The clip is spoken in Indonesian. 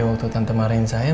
waktu tante marahin saya